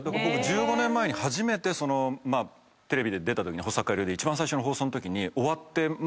僕１５年前に初めてテレビで出たとき一番最初の放送のときに終わって。